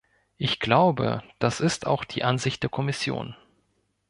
Ich glaube, dass ist auch die Ansicht der Kommission.